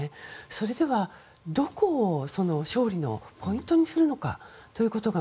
それでは、どこを勝利のポイントにするのかが